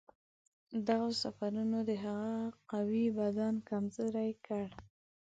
دغو سفرونو د هغه قوي بدن کمزوری کړ.